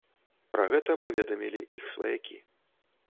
Пра гэта паведамілі іх сваякі.